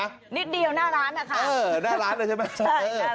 นิดเดียวหน้าร้านนะครับเออหน้าร้านเลยใช่ไหมใช่หน้าร้าน